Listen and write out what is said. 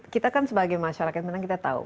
kita kan sebagai masyarakat menang kita tahu